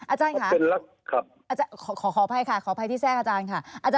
อาจารย์ค่ะขอขอภัยค่ะขอภัยที่แทรกอาจารย์ค่ะเป็นลักษณ์ครับ